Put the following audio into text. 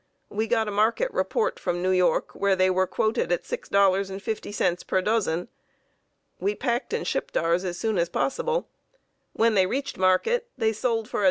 We got a market report from New York where they were quoted at $6.50 per dozen. We packed and shipped ours as soon as possible. When they reached market they sold for $1.